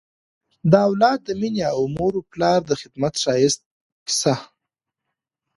د اولاد د مینې او مور و پلار د خدمت ښایسته کیسه